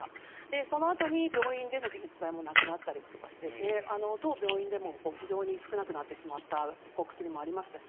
そのあとに病院での解熱剤もなくなったりとかして当病院でも非常に少なくなってしまったお薬もありましたし